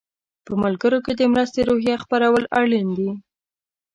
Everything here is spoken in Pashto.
په ملګرو کې د مرستې روحیه خپرول اړین دي.